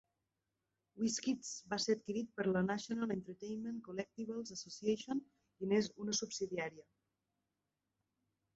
WizKids va ser adquirit per la National Entertainment Collectibles Association i n'és una subsidiària.